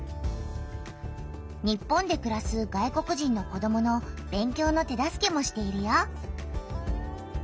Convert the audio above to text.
日本でくらす外国人の子どもの勉強の手助けもしているよ。